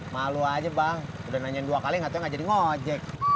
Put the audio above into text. malu aja bang udah nanyain dua kali gak tau gak jadi ojek